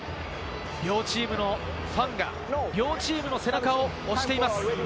両チームのファンが両チームの背中を押しています。